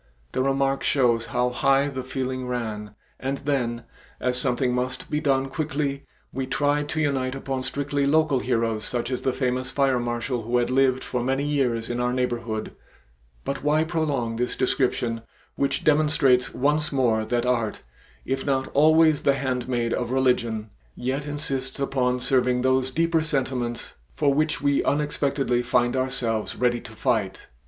The remark shows how high the feeling ran, and then, as something must be done quickly, we tried to unite upon strictly local heroes such as the famous fire marshal who had lived for many years in our neighborhood but why prolong this description which demonstrates once more that art, if not always the handmaid of religion, yet insists upon serving those deeper sentiments for which we unexpectedly find ourselves ready to fight.